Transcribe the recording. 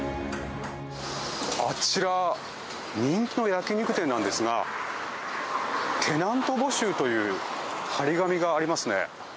あちら人気の焼き肉店なんですがテナント募集という貼り紙がありますね。